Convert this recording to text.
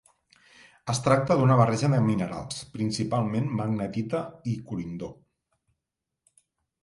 Es tracta d’una barreja de minerals, principalment magnetita i corindó.